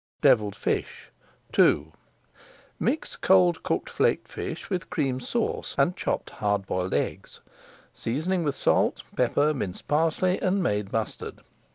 DEVILLED FISH II Mix cold cooked flaked fish with Cream Sauce and chopped hard boiled eggs, seasoning with salt, pepper, minced parsley, and made mustard.